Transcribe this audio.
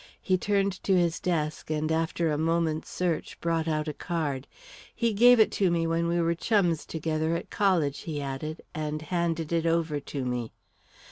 He turned to his desk and, after a moment's search, brought out a card. "He gave it to me when we were chums together at college," he added, and handed it over to me.